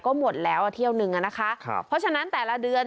ก็หมดแล้วอ่ะเที่ยวหนึ่งอ่ะนะคะครับเพราะฉะนั้นแต่ละเดือน